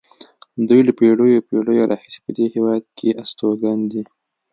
دوی له پېړیو پېړیو راهیسې په دې هېواد کې استوګن دي.